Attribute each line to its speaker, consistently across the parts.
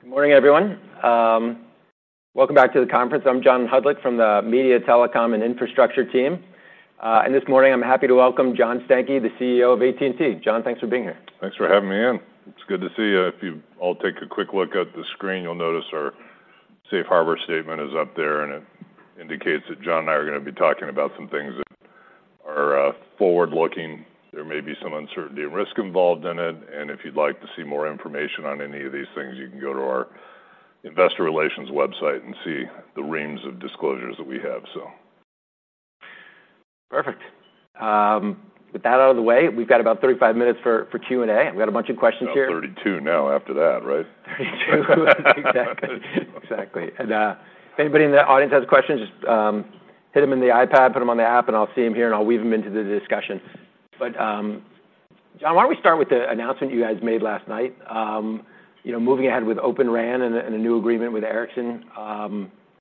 Speaker 1: Good morning, everyone. Welcome back to the conference. I'm John Hodulik from the Media, Telecom, and Infrastructure team. This morning, I'm happy to welcome John Stankey, the CEO of AT&T. John, thanks for being here.
Speaker 2: Thanks for having me in. It's good to see you. If you all take a quick look at the screen, you'll notice our safe harbor statement is up there, and it indicates that John and I are going to be talking about some things that are forward-looking. There may be some uncertainty and risk involved in it, and if you'd like to see more information on any of these things, you can go to our investor relations website and see the reams of disclosures that we have so.
Speaker 1: Perfect. With that out of the way, we've got about 35 minutes for, for Q&A. We've got a bunch of questions here-
Speaker 2: About 32 now after that, right?
Speaker 1: 32. Exactly. Exactly. And if anybody in the audience has questions, just hit them in the iPad, put them on the app, and I'll see them here, and I'll weave them into the discussion. But John, why don't we start with the announcement you guys made last night? You know, moving ahead with Open RAN and a, and a new agreement with Ericsson.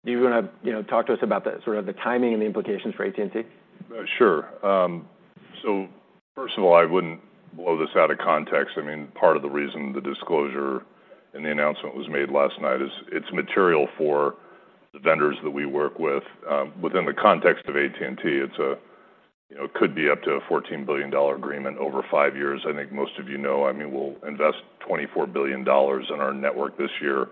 Speaker 1: Do you want to, you know, talk to us about the sort of the timing and the implications for AT&T?
Speaker 2: Sure. So first of all, I wouldn't blow this out of context. I mean, part of the reason the disclosure and the announcement was made last night is it's material for the vendors that we work with. Within the context of AT&T, it's a, you know, could be up to a $14 billion agreement over five years. I think most of you know, I mean, we'll invest $24 billion in our network this year.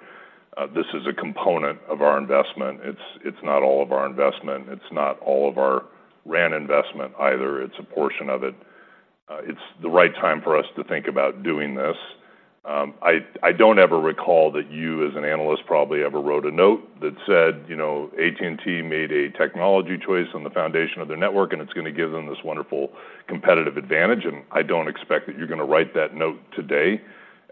Speaker 2: This is a component of our investment. It's, it's not all of our investment, it's not all of our RAN investment either, it's a portion of it. It's the right time for us to think about doing this. I don't ever recall that you, as an analyst, probably ever wrote a note that said, you know, "AT&T made a technology choice on the foundation of their network, and it's going to give them this wonderful competitive advantage." I don't expect that you're going to write that note today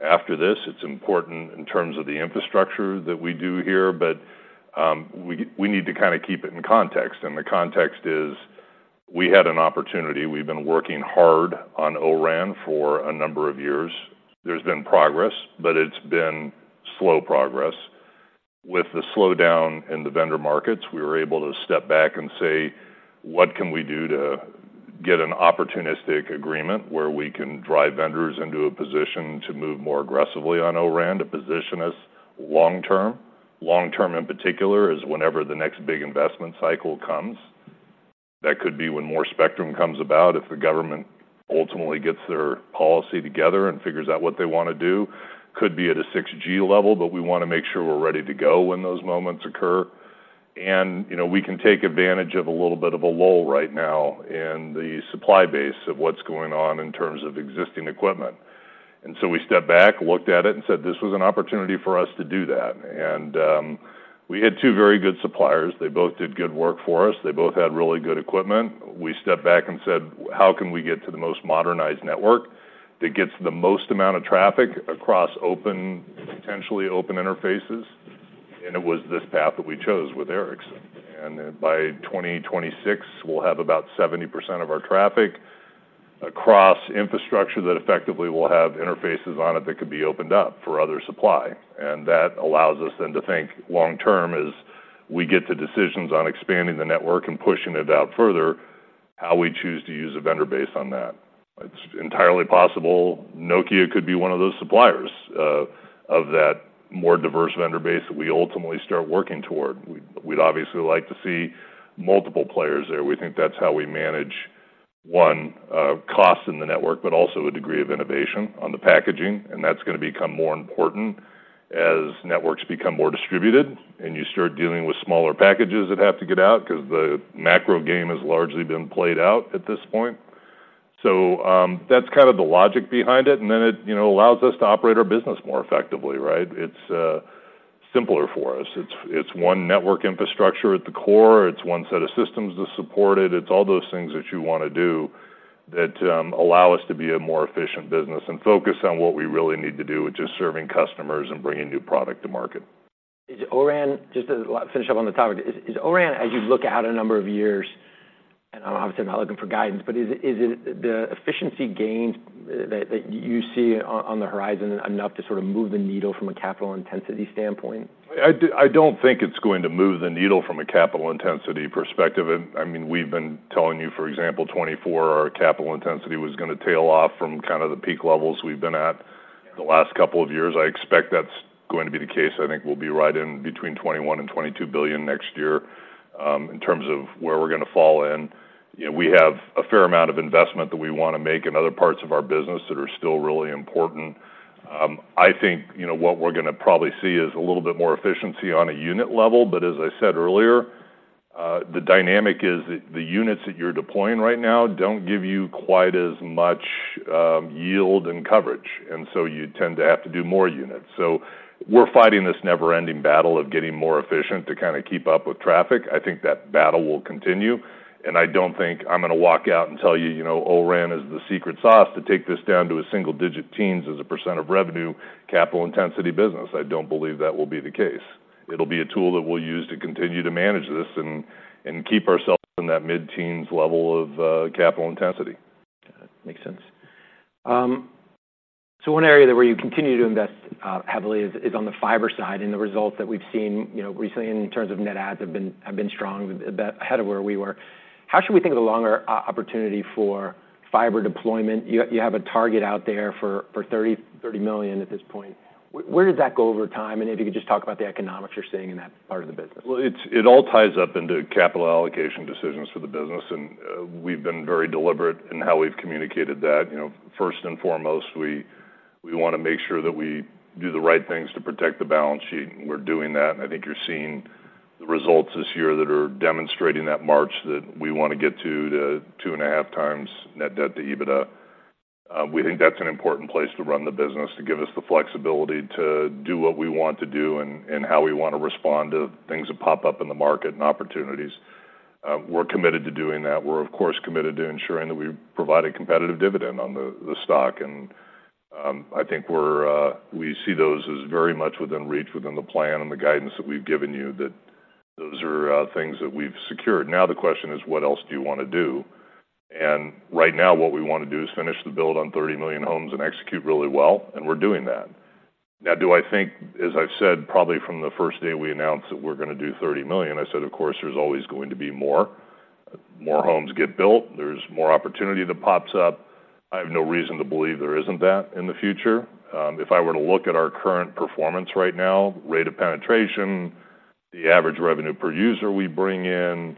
Speaker 2: after this. It's important in terms of the infrastructure that we do here, but we need to keep it in context, and the context is we had an opportunity. We've been working hard on O-RAN for a number of years. There's been progress, but it's been slow progress. With the slowdown in the vendor markets, we were able to step back and say: What can we do to get an opportunistic agreement where we can drive vendors into a position to move more aggressively on O-RAN, to position us long term? Long term, in particular, is whenever the next big investment cycle comes. That could be when more spectrum comes about, if the government ultimately gets their policy together and figures out what they want to do. Could be at a 6G level, but we want to make sure we're ready to go when those moments occur. And, you know, we can take advantage of a little bit of a lull right now in the supply base of what's going on in terms of existing equipment. And so we stepped back, looked at it, and said, "This was an opportunity for us to do that." And, we had two very good suppliers. They both did good work for us. They both had really good equipment. We stepped back and said, "How can we get to the most modernized network that gets the most amount of traffic across open-- potentially open interfaces?" It was this path that we chose with Ericsson. Then by 2026, we'll have about 70% of our traffic across infrastructure that effectively will have interfaces on it that could be opened up for other supply. That allows us then to think long term as we get to decisions on expanding the network and pushing it out further, how we choose to use a vendor base on that. It's entirely possible Nokia could be one of those suppliers of that more diverse vendor base that we ultimately start working toward. We'd obviously like to see multiple players there. We think that's how we manage one cost in the network, but also a degree of innovation on the packaging, and that's going to become more important as networks become more distributed, and you start dealing with smaller packages that have to get out because the macro game has largely been played out at this point. So, that's the logic behind it, and then it, you know, allows us to operate our business more effectively, right? It's simpler for us. It's one network infrastructure at the core. It's one set of systems to support it. It's all those things that you want to do that allow us to be a more efficient business and focus on what we really need to do, which is serving customers and bringing new product to market.
Speaker 1: Just to finish up on the topic, is O-RAN, as you look out a number of years, and obviously, I'm not looking for guidance, but is it the efficiency gains that you see on the horizon enough to sort of move the needle from a capital intensity standpoint?
Speaker 2: I don't think it's going to move the needle from a capital intensity perspective. I mean, we've been telling you, for example, 2024, our capital intensity was going to tail off from kind of the peak levels we've been at the last couple of years. I expect that's going to be the case. I think we'll be right in between $21 billion-$22 billion next year, in terms of where we're going to fall in. You know, we have a fair amount of investment that we want to make in other parts of our business that are still really important. I think, you know, what we're going to probably see is a little bit more efficiency on a unit level. But as I said earlier, the dynamic is that the units that you're deploying right now don't give you quite as much, yield and coverage, and so you tend to have to do more units. So we're fighting this never-ending battle of getting more efficient to kind of keep up with traffic. I think that battle will continue, and I don't think I'm going to walk out and tell you, you know, O-RAN is the secret sauce to take this down to a single-digit teens as a percent of revenue, capital intensity business. I don't believe that will be the case. It'll be a tool that we'll use to continue to manage this and, and keep ourselves in that mid-teens level of, capital intensity.
Speaker 1: Makes sense. So one area where you continue to invest heavily is on the fiber side, and the results that we've seen, you know, recently in terms of Net Adds have been strong, ahead of where we were. How should we think of the longer opportunity for fiber deployment? You have a target out there for 30 million at this point. Where does that go over time? And if you could just talk about the economics you're seeing in that part of the business.
Speaker 2: Well, it all ties up into capital allocation decisions for the business, and we've been very deliberate in how we've communicated that. You know, first and foremost, we, we wanna make sure that we do the right things to protect the balance sheet, and we're doing that. I think you're seeing the results this year that are demonstrating that march, that we want to get to 2.5x net debt to EBITDA. We think that's an important place to run the business, to give us the flexibility to do what we want to do and how we want to respond to things that pop up in the market and opportunities. We're committed to doing that. We're, of course, committed to ensuring that we provide a competitive dividend on the stock. And, I think we're, we see those as very much within reach, within the plan and the guidance that we've given you, that those are, things that we've secured. Now, the question is, what else do you want to do? And right now, what we want to do is finish the build on 30 million homes and execute really well, and we're doing that. Now, do I think, as I've said, probably from the first day we announced that we're gonna do 30 million, I said, of course, there's always going to be more. More homes get built, there's more opportunity that pops up. I have no reason to believe there isn't that in the future. If I were to look at our current performance right now, rate of penetration, the average revenue per user we bring in,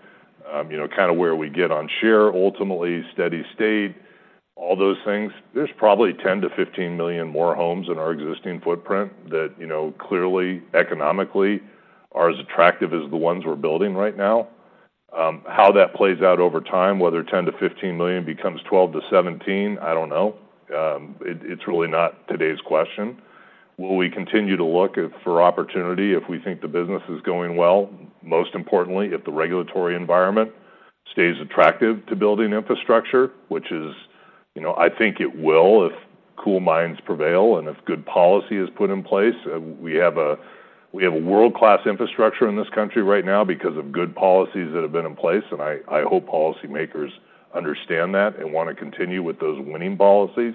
Speaker 2: you know, kinda where we get on share, ultimately, steady state, all those things. There's probably 10-15 million more homes in our existing footprint that, you know, clearly, economically, are as attractive as the ones we're building right now. How that plays out over time, whether 10-15 million becomes 12-17, I don't know. It's really not today's question. Will we continue to look for opportunity if we think the business is going well? Most importantly, if the regulatory environment stays attractive to building infrastructure, which is, you know, I think it will, if cool minds prevail and if good policy is put in place. We have a world-class infrastructure in this country right now because of good policies that have been in place, and I hope policymakers understand that and want to continue with those winning policies.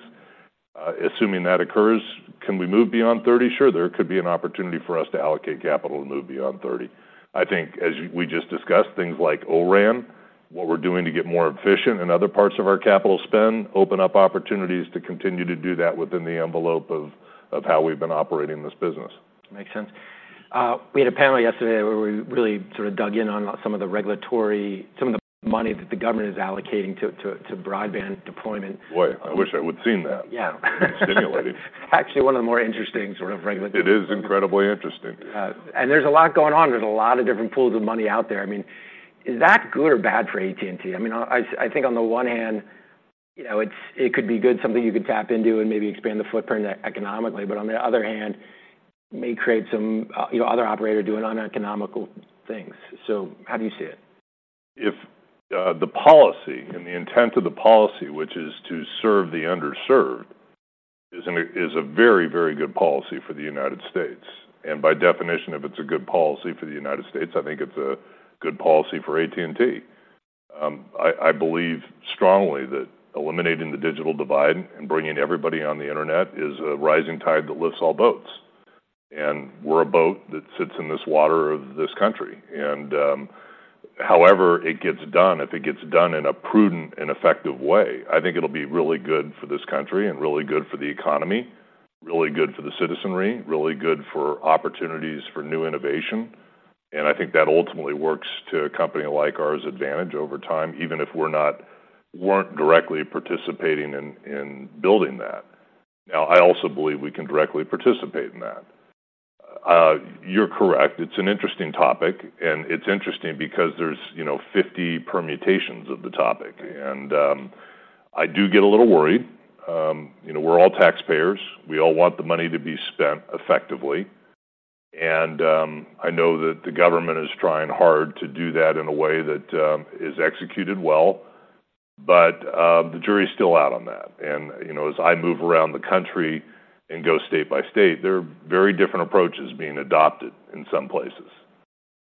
Speaker 2: Assuming that occurs, can we move beyond 30? Sure, there could be an opportunity for us to allocate capital and move beyond 30. I think as we just discussed, things like O-RAN, what we're doing to get more efficient in other parts of our capital spend, open up opportunities to continue to do that within the envelope of how we've been operating this business.
Speaker 1: Makes sense. We had a panel yesterday where we really sort of dug in on some of the money that the government is allocating to broadband deployment.
Speaker 2: Boy, I wish I would've seen that.
Speaker 1: Yeah.
Speaker 2: Stimulating.
Speaker 1: Actually, one of the more interesting sort of regulatory-
Speaker 2: It is incredibly interesting.
Speaker 1: And there's a lot going on. There's a lot of different pools of money out there. I mean, is that good or bad for AT&T? I mean, I think on the one hand, you know, it's it could be good, something you could tap into and maybe expand the footprint economically. But on the other hand, it may create some, you know, other operator doing uneconomical things. So how do you see it?
Speaker 2: If the policy and the intent of the policy, which is to serve the underserved, is a very, very good policy for the United States. And by definition, if it's a good policy for the United States, I think it's a good policy for AT&T. I believe strongly that eliminating the digital divide and bringing everybody on the internet is a rising tide that lifts all boats, and we're a boat that sits in this water of this country. And however it gets done, if it gets done in a prudent and effective way, I think it'll be really good for this country and really good for the economy, really good for the citizenry, really good for opportunities for new innovation. I think that ultimately works to a company like ours advantage over time, even if we weren't directly participating in building that. Now, I also believe we can directly participate in that. You're correct, it's an interesting topic, and it's interesting because there's, you know, 50 permutations of the topic, and I do get a little worried. You know, we're all taxpayers. We all want the money to be spent effectively. I know that the government is trying hard to do that in a way that is executed well, but the jury is still out on that. You know, as I move around the country and go state by state, there are very different approaches being adopted in some places.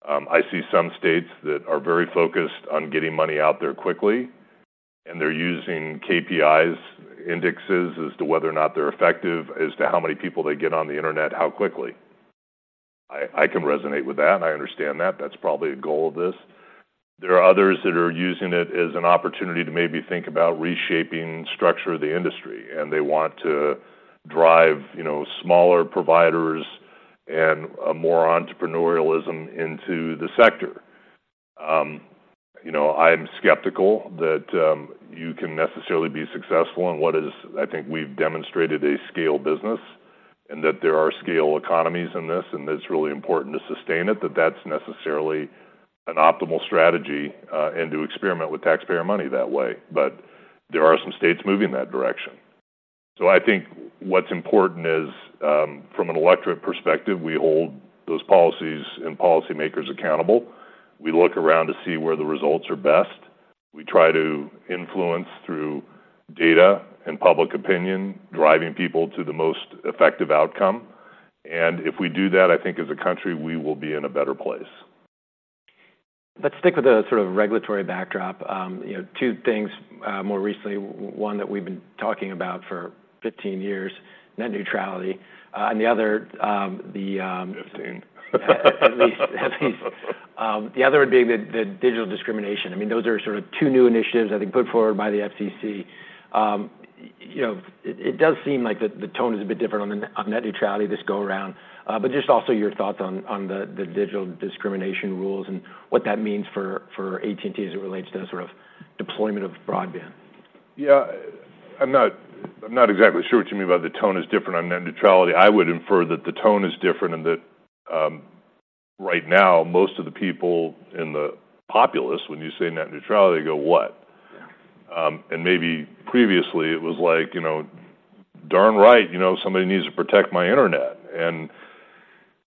Speaker 2: I see some states that are very focused on getting money out there quickly, and they're using KPIs, indexes, as to whether or not they're effective, as to how many people they get on the internet, how quickly. I can resonate with that, and I understand that. That's probably a goal of this. There are others that are using it as an opportunity to maybe think about reshaping structure of the industry, and they want to drive, you know, smaller providers and a more entrepreneurialism into the sector. You know, I'm skeptical that you can necessarily be successful in what is... I think we've demonstrated a scale business, and that there are scale economies in this, and it's really important to sustain it, that that's necessarily an optimal strategy, and to experiment with taxpayer money that way. But there are some states moving in that direction. I think what's important is, from an electorate perspective, we hold those policies and policymakers accountable. We look around to see where the results are best. We try to influence through data and public opinion, driving people to the most effective outcome. If we do that, I think as a country, we will be in a better place.
Speaker 1: Let's stick with the sort of regulatory backdrop. You know, two things, more recently, one that we've been talking about for 15 years, Net Neutrality, and the other, the,
Speaker 2: Fifteen.
Speaker 1: At least. The other would be the digital discrimination. I mean, those are sort of two new initiatives, I think, put forward by the FCC. You know, it does seem like the tone is a bit different on Net Neutrality this go around. But just also your thoughts on the digital discrimination rules and what that means for AT&T as it relates to the sort of deployment of broadband.
Speaker 2: Yeah, I'm not, I'm not exactly sure what you mean by the tone is different on Net Neutrality. I would infer that the tone is different, and that, right now, most of the people in the populace, when you say Net Neutrality, they go, "What?
Speaker 1: Yeah.
Speaker 2: And maybe previously, it was like, you know, darn right, you know, somebody needs to protect my internet. And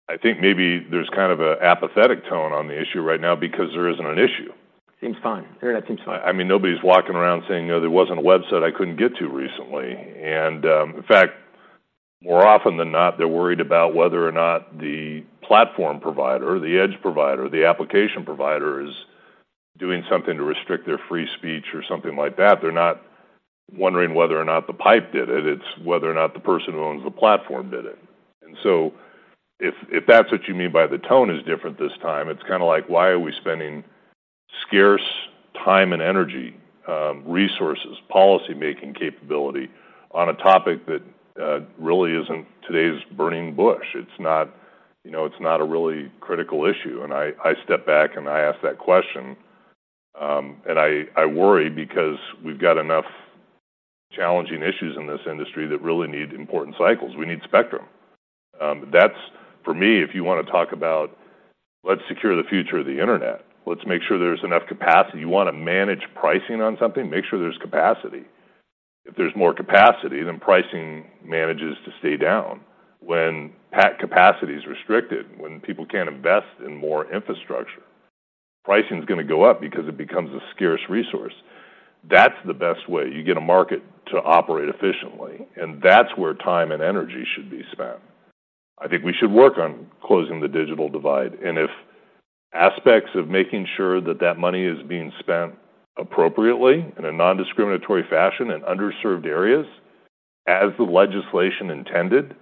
Speaker 2: I think maybe there's kind of an apathetic tone on the issue right now because there isn't an issue.
Speaker 1: Seems fine. Internet seems fine.
Speaker 2: I mean, nobody's walking around saying, "You know, there wasn't a website I couldn't get to recently." And, in fact, more often than not, they're worried about whether or not the platform provider, the edge provider, the application provider, is doing something to restrict their free speech or something like that. They're not wondering whether or not the pipe did it, it's whether or not the person who owns the platform did it. And so if that's what you mean by the tone is different this time, it's kinda like, why are we spending scarce time and energy, resources, policymaking capability on a topic that really isn't today's burning bush? It's not, you know, it's not a really critical issue, and I step back, and I ask that question. And I worry because we've got enough challenging issues in this industry that really need important cycles. We need spectrum. That's, for me, if you want to talk about, let's secure the future of the internet, let's make sure there's enough capacity. You want to manage pricing on something? Make sure there's capacity. If there's more capacity, then pricing manages to stay down. When peak capacity is restricted, when people can't invest in more infrastructure, pricing is gonna go up because it becomes a scarce resource. That's the best way you get a market to operate efficiently, and that's where time and energy should be spent. I think we should work on closing the digital divide, and if aspects of making sure that that money is being spent appropriately in a nondiscriminatory fashion in underserved areas, as the legislation intended,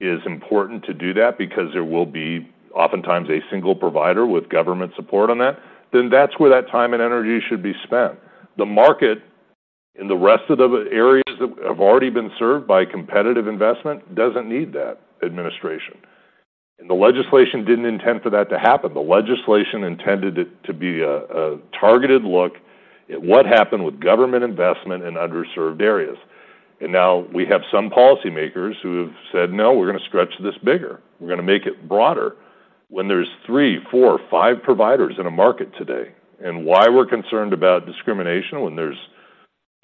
Speaker 2: is important to do that because there will be oftentimes a single provider with government support on that, then that's where that time and energy should be spent. The market, in the rest of the areas that have already been served by competitive investment, doesn't need that administration, and the legislation didn't intend for that to happen. The legislation intended it to be a targeted look at what happened with government investment in underserved areas. And now we have some policymakers who have said, "No, we're gonna stretch this bigger. We're gonna make it broader." When there's three, four, five providers in a market today, and why we're concerned about discrimination when there's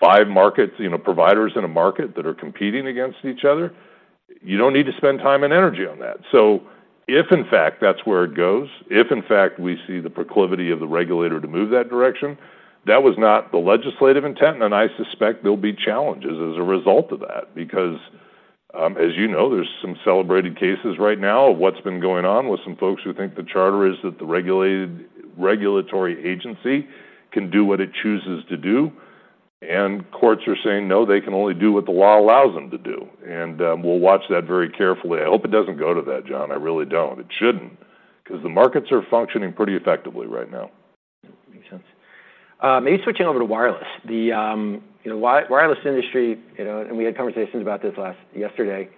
Speaker 2: five markets, you know, providers in a market that are competing against each other, you don't need to spend time and energy on that. So if in fact, that's where it goes, if in fact, we see the proclivity of the regulator to move that direction, that was not the legislative intent, and I suspect there'll be challenges as a result of that, because, as you know, there's some celebrated cases right now of what's been going on with some folks who think the charter is that the regulatory agency can do what it chooses to do, and courts are saying, "No, they can only do what the law allows them to do." And, we'll watch that very carefully. I hope it doesn't go to that, John, I really don't. It shouldn't, 'cause the markets are functioning pretty effectively right now.
Speaker 1: Makes sense. Maybe switching over to wireless. The wireless industry, you know, and we had conversations about this last yesterday,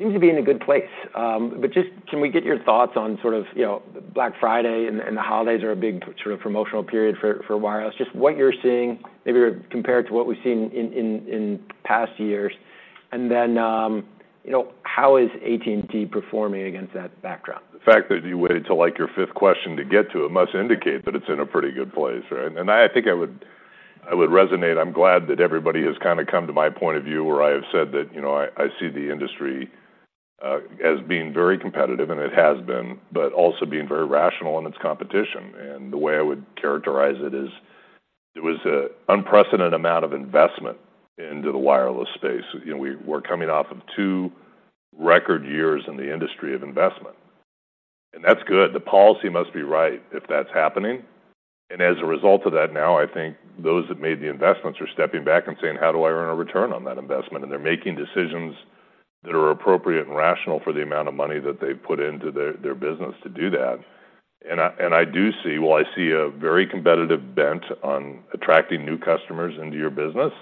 Speaker 1: seems to be in a good place. But just, can we get your thoughts on sort of, you know, Black Friday and the holidays are a big sort of promotional period for wireless. Just what you're seeing, maybe compared to what we've seen in past years, and then, you know, how is AT&T performing against that background?
Speaker 2: The fact that you waited till, like, your fifth question to get to it, must indicate that it's in a pretty good place, right? And I think I would resonate. I'm glad that everybody has kinda come to my point of view, where I have said that, you know, I see the industry as being very competitive, and it has been, but also being very rational in its competition. And the way I would characterize it is, it was a unprecedented amount of investment into the wireless space. You know, we're coming off of two record years in the industry of investment, and that's good. The policy must be right if that's happening. And as a result of that, now I think those that made the investments are stepping back and saying: How do I earn a return on that investment? And they're making decisions that are appropriate and rational for the amount of money that they've put into their business to do that. And I do see... Well, I see a very competitive bent on attracting new customers into your business.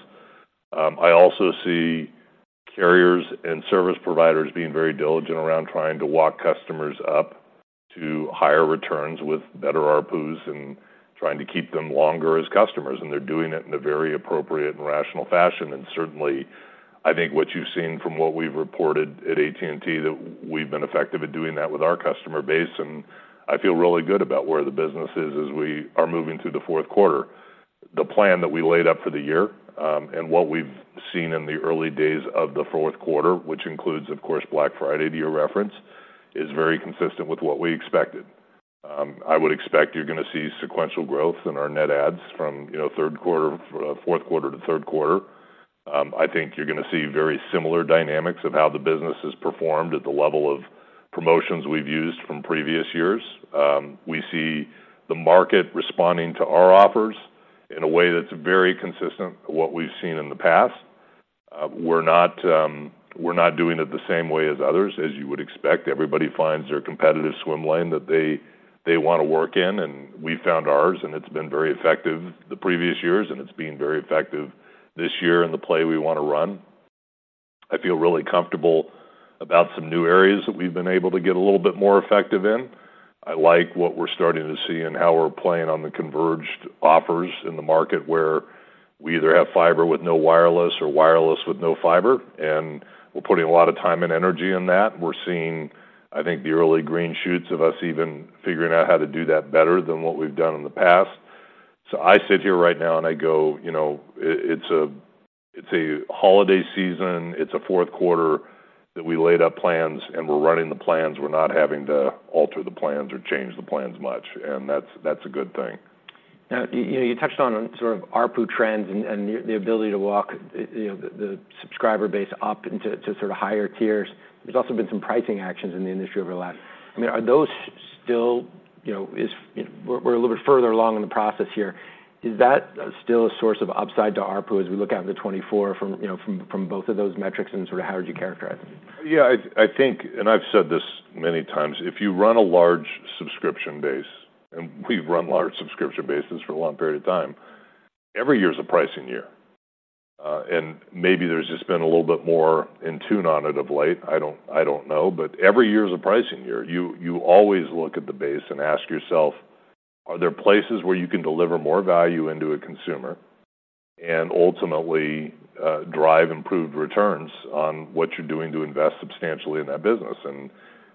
Speaker 2: I also see carriers and service providers being very diligent around trying to walk customers up to higher returns with better ARPUs and trying to keep them longer as customers, and they're doing it in a very appropriate and rational fashion. And certainly, I think what you've seen from what we've reported at AT&T, that we've been effective at doing that with our customer base, and I feel really good about where the business is as we are moving through the fourth quarter. The plan that we laid out for the year, and what we've seen in the early days of the fourth quarter, which includes, of course, Black Friday, to your reference, is very consistent with what we expected. I would expect you're gonna see sequential growth in our net adds from, you know, third quarter, fourth quarter to third quarter. I think you're gonna see very similar dynamics of how the business has performed at the level of promotions we've used from previous years. We see the market responding to our offers in a way that's very consistent with what we've seen in the past. We're not, we're not doing it the same way as others, as you would expect. Everybody finds their competitive swim lane that they-... They want to work in, and we found ours, and it's been very effective the previous years, and it's been very effective this year in the play we want to run. I feel really comfortable about some new areas that we've been able to get a little bit more effective in. I like what we're starting to see and how we're playing on the converged offers in the market, where we either have fiber with no wireless or wireless with no fiber, and we're putting a lot of time and energy in that. We're seeing, I think, the early green shoots of us even figuring out how to do that better than what we've done in the past. So I sit here right now, and I go, you know, it's a, it's a holiday season. It's a fourth quarter that we laid out plans, and we're running the plans. We're not having to alter the plans or change the plans much, and that's, that's a good thing.
Speaker 1: Now, you touched on sort of ARPU trends and the ability to walk, you know, the subscriber base up to sort of higher tiers. There's also been some pricing actions in the industry over the last... I mean, are those still, you know, we're a little bit further along in the process here. Is that still a source of upside to ARPU as we look out into 2024 from, you know, from both of those metrics, and sort of how would you characterize it?
Speaker 2: Yeah, I think, and I've said this many times, if you run a large subscription base, and we've run large subscription bases for a long period of time, every year is a pricing year. And maybe there's just been a little bit more in tune on it of late. I don't know, but every year is a pricing year. You always look at the base and ask yourself, are there places where you can deliver more value into a consumer and ultimately, drive improved returns on what you're doing to invest substantially in that business? And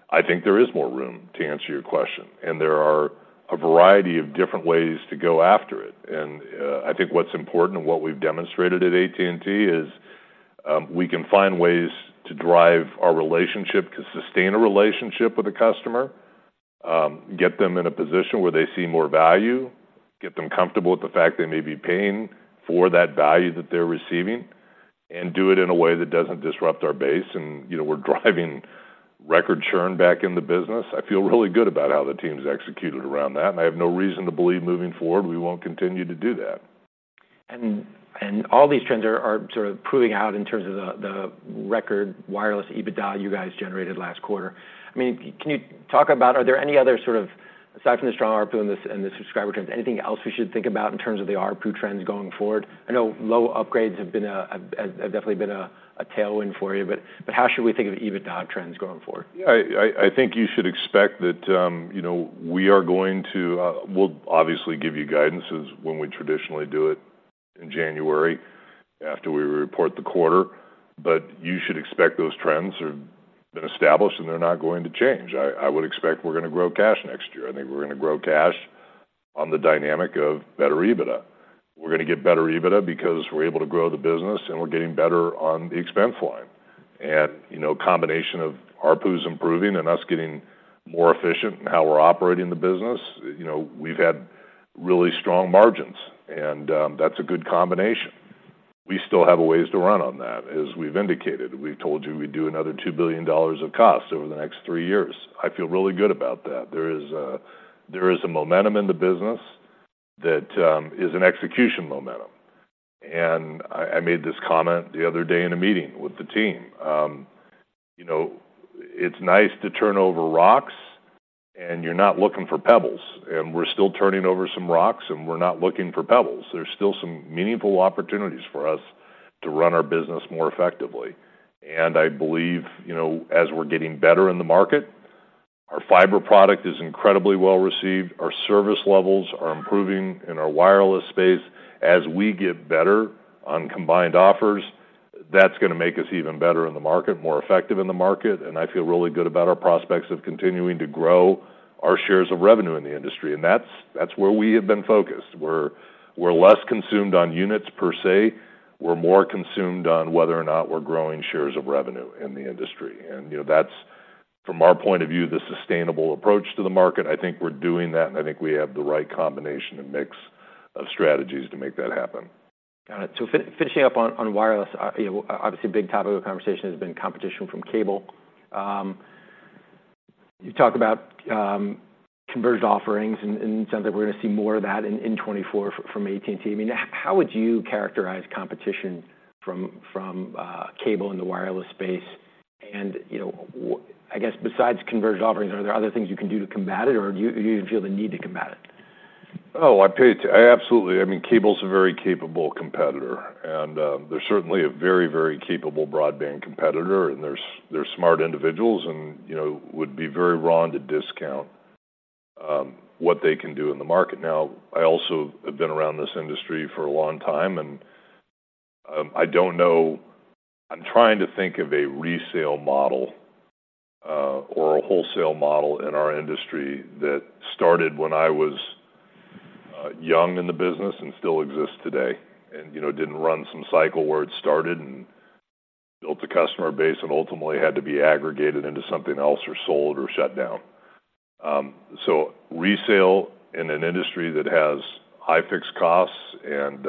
Speaker 2: I think there is more room, to answer your question, and there are a variety of different ways to go after it. And, I think what's important and what we've demonstrated at AT&T is, we can find ways to drive our relationship, to sustain a relationship with a customer, get them in a position where they see more value, get them comfortable with the fact they may be paying for that value that they're receiving, and do it in a way that doesn't disrupt our base. And, you know, we're driving record churn back in the business. I feel really good about how the team's executed around that, and I have no reason to believe moving forward, we won't continue to do that.
Speaker 1: And all these trends are sort of proving out in terms of the record wireless EBITDA you guys generated last quarter. I mean, can you talk about... Are there any other sort of, aside from the strong ARPU and the subscriber trends, anything else we should think about in terms of the ARPU trends going forward? I know low upgrades have been a tailwind for you, but how should we think of EBITDA trends going forward?
Speaker 2: Yeah, I think you should expect that, you know, we are going to, we'll obviously give you guidances when we traditionally do it in January, after we report the quarter, but you should expect those trends are established, and they're not going to change. I would expect we're going to grow cash next year. I think we're going to grow cash on the dynamic of better EBITDA. We're going to get better EBITDA because we're able to grow the business, and we're getting better on the expense line. And, you know, combination of ARPUs improving and us getting more efficient in how we're operating the business, you know, we've had really strong margins, and that's a good combination. We still have a ways to run on that. As we've indicated, we've told you we'd do another $2 billion of costs over the next 3 years. I feel really good about that. There is a momentum in the business that is an execution momentum. And I made this comment the other day in a meeting with the team, you know, it's nice to turn over rocks, and you're not looking for pebbles. And we're still turning over some rocks, and we're not looking for pebbles. There's still some meaningful opportunities for us to run our business more effectively. And I believe, you know, as we're getting better in the market, our fiber product is incredibly well-received, our service levels are improving in our wireless space. As we get better on combined offers, that's going to make us even better in the market, more effective in the market, and I feel really good about our prospects of continuing to grow our shares of revenue in the industry, and that's, that's where we have been focused. We're, we're less consumed on units per se. We're more consumed on whether or not we're growing shares of revenue in the industry. You know, that's, from our point of view, the sustainable approach to the market. I think we're doing that, and I think we have the right combination and mix of strategies to make that happen.
Speaker 1: Got it. So finishing up on wireless, you know, obviously, a big topic of conversation has been competition from cable. You talk about converged offerings, and it sounds like we're going to see more of that in 2024 from AT&T. I mean, how would you characterize competition from cable in the wireless space? And, you know, I guess besides converged offerings, are there other things you can do to combat it, or do you even feel the need to combat it?
Speaker 2: Absolutely. I mean, cable's a very capable competitor, and they're certainly a very, very capable broadband competitor, and they're smart individuals and, you know, would be very wrong to discount what they can do in the market. Now, I also have been around this industry for a long time, and I don't know... I'm trying to think of a resale model or a wholesale model in our industry that started when I was young in the business and still exists today and, you know, didn't run some cycle where it started and built a customer base and ultimately had to be aggregated into something else or sold or shut down. So, resale in an industry that has high fixed costs and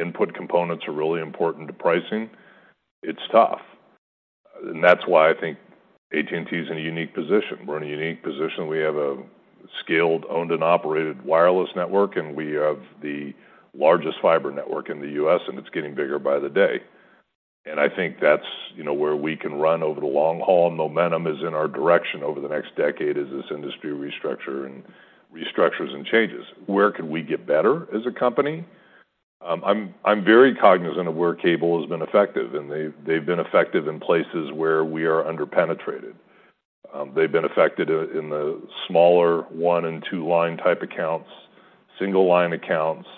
Speaker 2: input components are really important to pricing, it's tough, and that's why I think AT&T is in a unique position. We're in a unique position. We have a scaled, owned, and operated wireless network, and we have the largest fiber network in the U.S., and it's getting bigger by the day... and I think that's, you know, where we can run over the long haul, and momentum is in our direction over the next decade as this industry restructures and changes. Where could we get better as a company? I'm very cognizant of where cable has been effective, and they've been effective in places where we are under-penetrated. They've been affected in the smaller one and two-line type accounts, single-line accounts,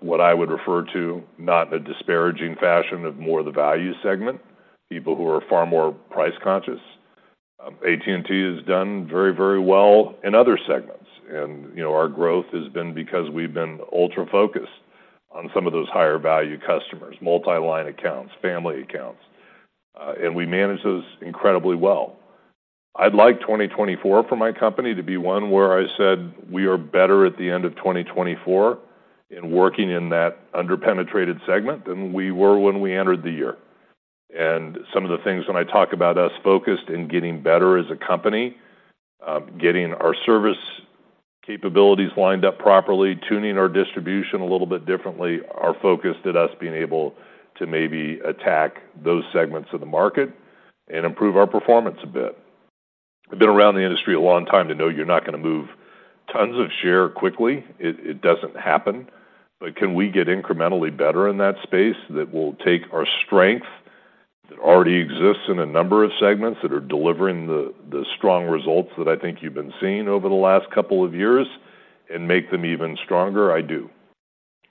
Speaker 2: what I would refer to, not in a disparaging fashion, of more the value segment, people who are far more price-conscious. AT&T has done very, very well in other segments, and, you know, our growth has been because we've been ultra-focused on some of those higher value customers, multi-line accounts, family accounts, and we manage those incredibly well. I'd like 2024 for my company to be one where I said we are better at the end of 2024 in working in that under-penetrated segment than we were when we entered the year. Some of the things when I talk about us focused in getting better as a company, getting our service capabilities lined up properly, tuning our distribution a little bit differently, are focused at us being able to maybe attack those segments of the market and improve our performance a bit. I've been around the industry a long time to know you're not gonna move tons of share quickly. It doesn't happen. But can we get incrementally better in that space that will take our strength that already exists in a number of segments that are delivering the strong results that I think you've been seeing over the last couple of years, and make them even stronger? I do.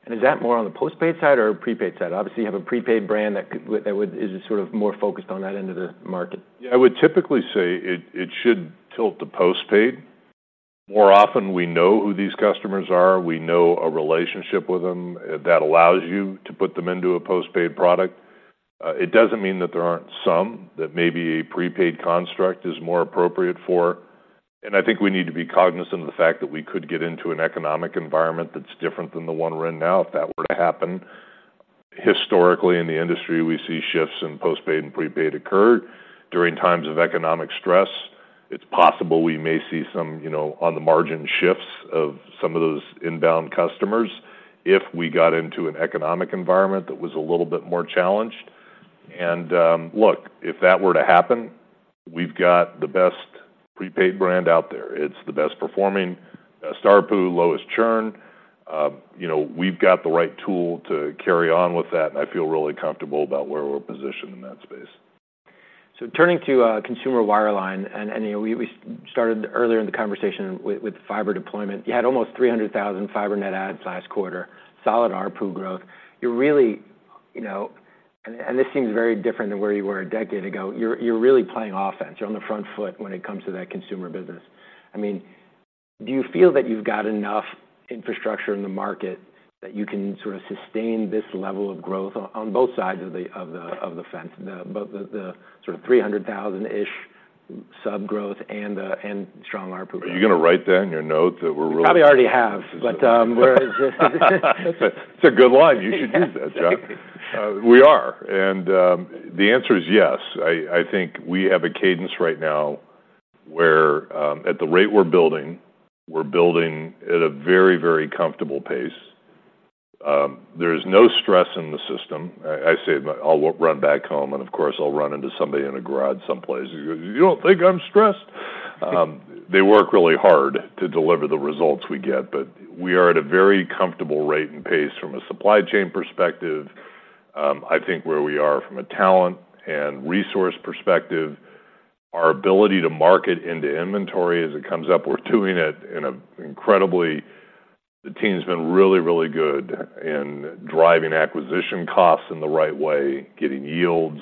Speaker 1: Is that more on the postpaid side or prepaid side? Obviously, you have a prepaid brand that is sort of more focused on that end of the market.
Speaker 2: Yeah, I would typically say it should tilt the Postpaid. More often, we know who these customers are. We know a relationship with them that allows you to put them into a Postpaid product. It doesn't mean that there aren't some that maybe a Prepaid construct is more appropriate for, and I think we need to be cognizant of the fact that we could get into an economic environment that's different than the one we're in now. If that were to happen, historically, in the industry, we see shifts in Postpaid and Prepaid occur during times of economic stress. It's possible we may see some, you know, on the margin shifts of some of those inbound customers if we got into an economic environment that was a little bit more challenged. And, look, if that were to happen, we've got the best Prepaid brand out there. It's the best performing, best ARPU, lowest churn. You know, we've got the right tool to carry on with that, and I feel really comfortable about where we're positioned in that space.
Speaker 1: So turning to consumer wireline, and you know, we started earlier in the conversation with fiber deployment. You had almost 300,000 fiber net adds last quarter, solid ARPU growth. You're really, you know—and this seems very different than where you were a decade ago. You're really playing offense. You're on the front foot when it comes to that consumer business. I mean, do you feel that you've got enough infrastructure in the market that you can sort of sustain this level of growth on both sides of the fence, both the sort of 300,000-ish sub growth and strong ARPU?
Speaker 2: Are you gonna write that in your notes that we're really-
Speaker 1: Probably already have, but, we're just-
Speaker 2: It's a good line. You should do that, John. We are, and, the answer is yes. I think we have a cadence right now where, at the rate we're building, we're building at a very, very comfortable pace. There is no stress in the system. I say I'll run back home, and of course, I'll run into somebody in a garage someplace. "You don't think I'm stressed?" They work really hard to deliver the results we get, but we are at a very comfortable rate and pace from a supply chain perspective. I think where we are from a talent and resource perspective, our ability to market into inventory as it comes up, we're doing it in a incredibly... The team's been really, really good in driving acquisition costs in the right way, getting yields.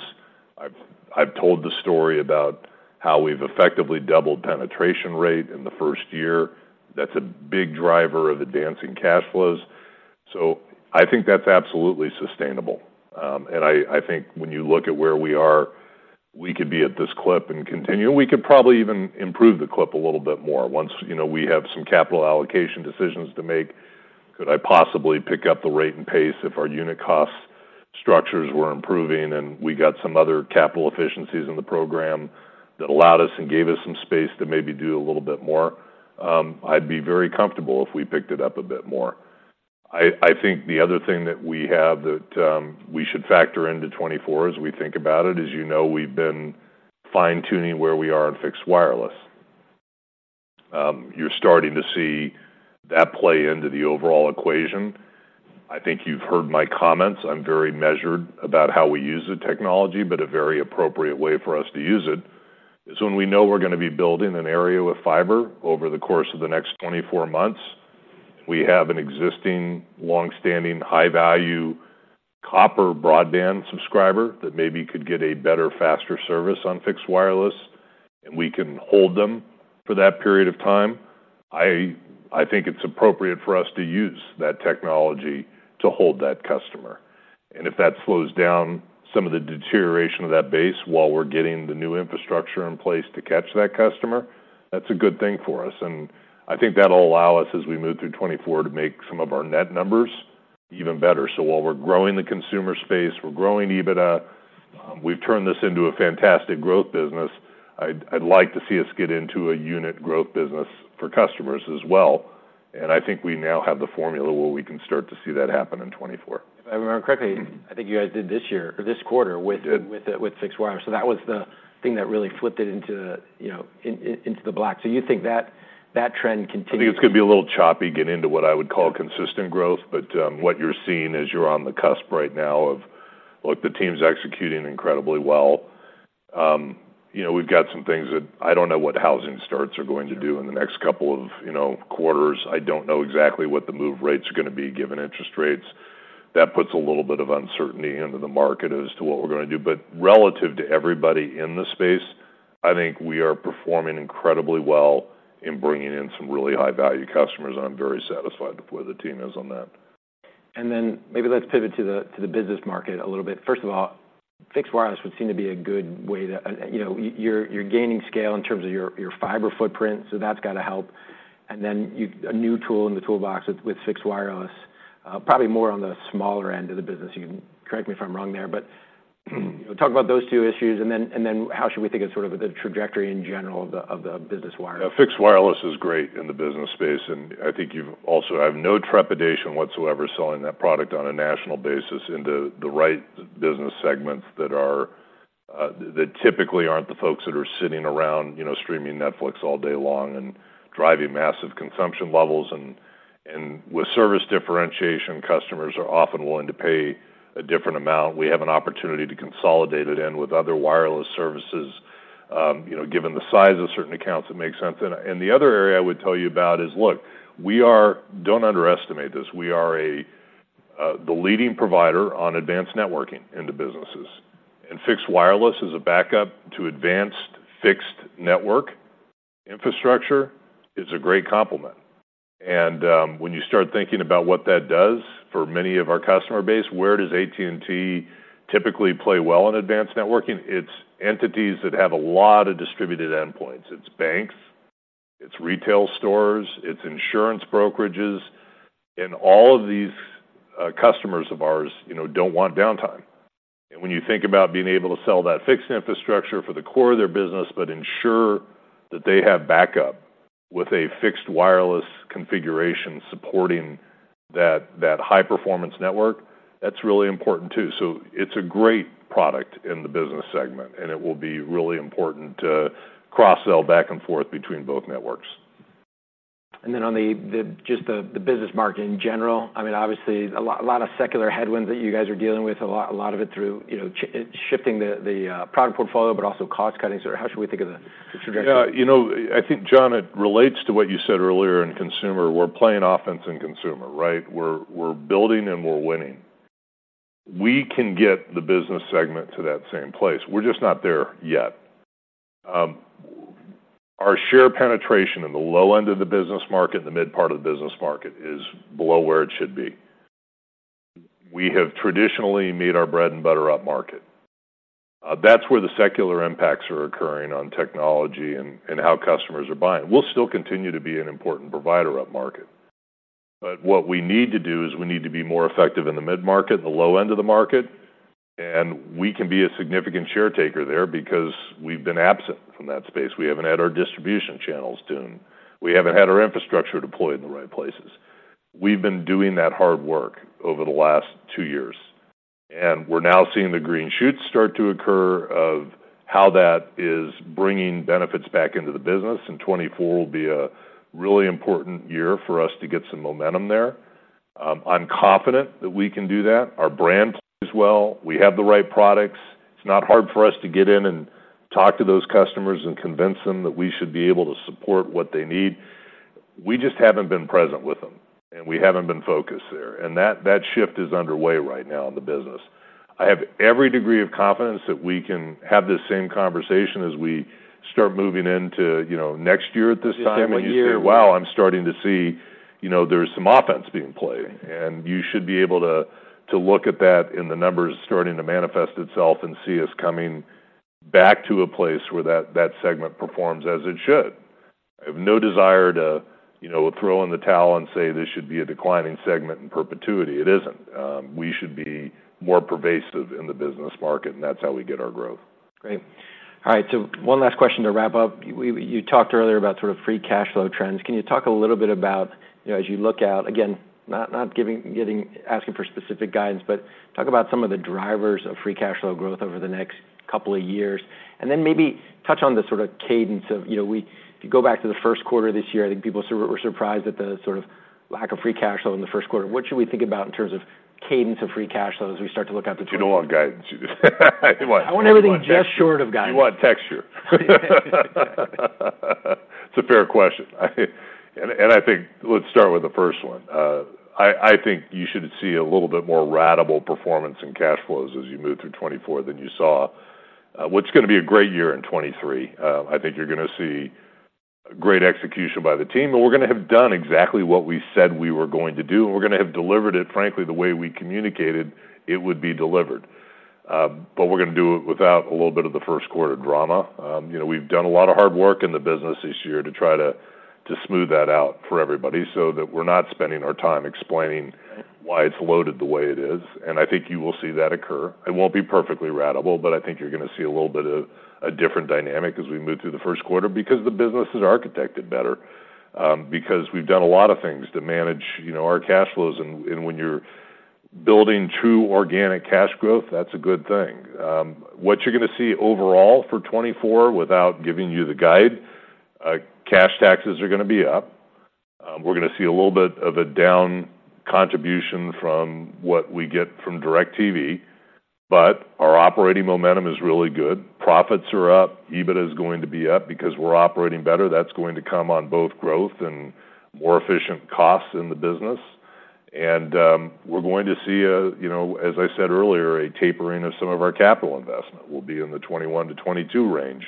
Speaker 2: I've told the story about how we've effectively doubled penetration rate in the first year. That's a big driver of the dancing cash flows. So I think that's absolutely sustainable. And I think when you look at where we are, we could be at this clip and continue. We could probably even improve the clip a little bit more once, you know, we have some capital allocation decisions to make. Could I possibly pick up the rate and pace if our unit cost structures were improving and we got some other capital efficiencies in the program that allowed us and gave us some space to maybe do a little bit more? I'd be very comfortable if we picked it up a bit more. I think the other thing that we have that we should factor into 2024 as we think about it, as you know, we've been fine-tuning where we are in Fixed Wireless. You're starting to see that play into the overall equation. I think you've heard my comments. I'm very measured about how we use the technology, but a very appropriate way for us to use it is when we know we're gonna be building an area with fiber over the course of the next 24 months, we have an existing, long-standing, high-value copper broadband subscriber that maybe could get a better, faster service on Fixed Wireless, and we can hold them for that period of time. I, I think it's appropriate for us to use that technology to hold that customer, and if that slows down some of the deterioration of that base while we're getting the new infrastructure in place to catch that customer, that's a good thing for us. I think that'll allow us, as we move through 2024, to make some of our net numbers even better. While we're growing the consumer space, we're growing EBITDA. We've turned this into a fantastic growth business. I'd, I'd like to see us get into a unit growth business for customers as well, and I think we now have the formula where we can start to see that happen in 2024.
Speaker 1: If I remember correctly, I think you guys did this year or this quarter with-
Speaker 2: We did...
Speaker 1: with Fixed Wireless. So that was the thing that really flipped it into, you know, into the black. So you think that that trend continues?
Speaker 2: I think it's gonna be a little choppy, getting into what I would call consistent growth. But, what you're seeing is you're on the cusp right now of, look, the team's executing incredibly well. You know, we've got some things that I don't know what housing starts are going to do in the next couple of, you know, quarters. I don't know exactly what the move rates are gonna be, given interest rates. That puts a little bit of uncertainty into the market as to what we're gonna do. But relative to everybody in the space, I think we are performing incredibly well in bringing in some really high-value customers, and I'm very satisfied with where the team is on that.
Speaker 1: And then, maybe let's pivot to the business market a little bit. First of all, Fixed Wireless would seem to be a good way to... You know, you're gaining scale in terms of your fiber footprint, so that's got to help. And then a new tool in the toolbox with Fixed Wireless, probably more on the smaller end of the business. You can correct me if I'm wrong there. But talk about those two issues, and then how should we think of sort of the trajectory in general of the business wireless?
Speaker 2: Yeah, Fixed Wireless is great in the business space, and I think you've also have no trepidation whatsoever selling that product on a national basis into the right business segments that are, that typically aren't the folks that are sitting around, you know, streaming Netflix all day long and driving massive consumption levels. And with service differentiation, customers are often willing to pay a different amount. We have an opportunity to consolidate it in with other wireless services. You know, given the size of certain accounts, it makes sense. And the other area I would tell you about is, look, we are—don't underestimate this: we are the leading provider on advanced networking into businesses, and Fixed Wireless is a backup to advanced fixed network. Infrastructure is a great complement. And, when you start thinking about what that does for many of our customer base, where does AT&T typically play well in advanced networking? It's entities that have a lot of distributed endpoints. It's banks, it's retail stores, it's insurance brokerages, and all of these, customers of ours, you know, don't want downtime. And when you think about being able to sell that fixed infrastructure for the core of their business but ensure that they have backup with a Fixed Wireless configuration supporting that high-performance network, that's really important, too. So it's a great product in the business segment, and it will be really important to cross-sell back and forth between both networks.
Speaker 1: And then on the business market in general, I mean, obviously, a lot of secular headwinds that you guys are dealing with, a lot of it through, you know, shifting the product portfolio, but also cost cutting. So how should we think of the trajectory?
Speaker 2: Yeah, you know, I think, John, it relates to what you said earlier in consumer. We're playing offense in consumer, right? We're building, and we're winning. We can get the business segment to that same place. We're just not there yet. Our share penetration in the low end of the business market, and the mid part of the business market, is below where it should be. We have traditionally made our bread and butter up market. That's where the secular impacts are occurring on technology and how customers are buying. We'll still continue to be an important provider up market, but what we need to do is we need to be more effective in the mid-market, the low end of the market, and we can be a significant share taker there because we've been absent from that space. We haven't had our distribution channels tuned. We haven't had our infrastructure deployed in the right places. We've been doing that hard work over the last two years, and we're now seeing the green shoots start to occur of how that is bringing benefits back into the business, and 2024 will be a really important year for us to get some momentum there. I'm confident that we can do that. Our brand plays well. We have the right products. It's not hard for us to get in and talk to those customers and convince them that we should be able to support what they need. We just haven't been present with them, and we haven't been focused there, and that, that shift is underway right now in the business. I have every degree of confidence that we can have this same conversation as we start moving into, you know, next year at this time-
Speaker 1: The same year....
Speaker 2: and you say, "Wow, I'm starting to see, you know, there's some offense being played.
Speaker 1: Right.
Speaker 2: You should be able to look at that in the numbers starting to manifest itself and see us coming back to a place where that segment performs as it should. I have no desire to, you know, throw in the towel and say, "This should be a declining segment in perpetuity." It isn't. We should be more pervasive in the business market, and that's how we get our growth.
Speaker 1: Great. All right, so one last question to wrap up. You talked earlier about sort of free cash flow trends. Can you talk a little bit about, you know, as you look out, again, not asking for specific guidance, but talk about some of the drivers of free cash flow growth over the next couple of years. And then maybe touch on the sort of cadence of, you know, if you go back to the first quarter of this year, I think people were surprised at the sort of lack of free cash flow in the first quarter. What should we think about in terms of cadence of free cash flow as we start to look out the two-
Speaker 2: You don't want guidance. You want-
Speaker 1: I want everything just short of guidance.
Speaker 2: You want texture. It's a fair question. I think let's start with the first one. I think you should see a little bit more ratable performance in cash flows as you move through 2024 than you saw, what's going to be a great year in 2023. I think you're gonna see great execution by the team, and we're gonna have done exactly what we said we were going to do, and we're gonna have delivered it, frankly, the way we communicated it would be delivered. But we're gonna do it without a little bit of the first-quarter drama. You know, we've done a lot of hard work in the business this year to try to smooth that out for everybody so that we're not spending our time explaining-
Speaker 1: Right...
Speaker 2: why it's loaded the way it is, and I think you will see that occur. It won't be perfectly ratable, but I think you're gonna see a little bit of a different dynamic as we move through the first quarter because the business is architected better, because we've done a lot of things to manage, you know, our cash flows, and, and when you're building true organic cash growth, that's a good thing. What you're gonna see overall for 2024, without giving you the guide, cash taxes are gonna be up. We're gonna see a little bit of a down contribution from what we get from DIRECTV, but our operating momentum is really good. Profits are up. EBITDA is going to be up because we're operating better. That's going to come on both growth and more efficient costs in the business. We're going to see, you know, as I said earlier, a tapering of some of our capital investment. We'll be in the $21-$22 range,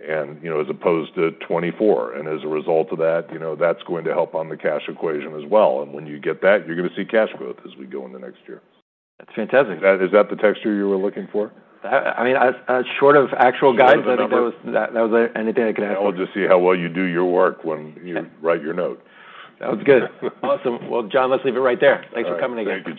Speaker 2: you know, as opposed to $24. As a result of that, you know, that's going to help on the cash equation as well, and when you get that, you're gonna see cash growth as we go in the next year.
Speaker 1: That's fantastic.
Speaker 2: Is that the texture you were looking for?
Speaker 1: I mean, short of actual guidance-
Speaker 2: Short of the number....
Speaker 1: but that was, that was anything I could ask for.
Speaker 2: I want to see how well you do your work when you-
Speaker 1: Yeah...
Speaker 2: write your note.
Speaker 1: That was good. Awesome. Well, John, let's leave it right there.
Speaker 2: All right.
Speaker 1: Thanks for coming again.
Speaker 2: Thank you, John.